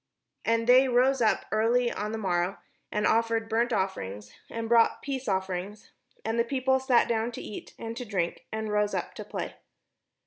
And they rose up early on the morrow, and offered burnt offerings, and brought peace offerings; and the people sat down to eat and to drink, and rose up to play.